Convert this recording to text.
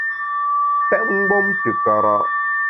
Pèt mgbom te kara’ !